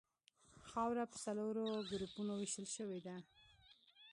خاوره په څلورو ګروپونو ویشل شوې ده